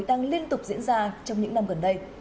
đang liên tục diễn ra trong những năm gần đây